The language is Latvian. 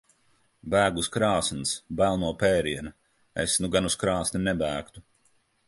Bēg uz krāsns. Bail no pēriena. Es nu gan uz krāsni nebēgtu.